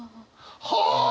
はあ！